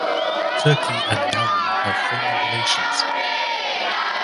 Turkey and Nauru have friendly relations.